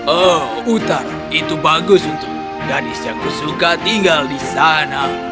oh utar itu bagus untuk gadis yang kusuka tinggal di sana